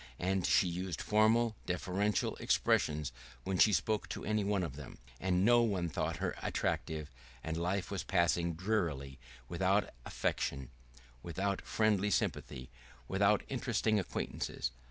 And she used formal, deferential expressions when she spoke of any one of them. And no one thought her attractive, and life was passing drearily, without affection, without friendly sympathy, without interesting acquaintances.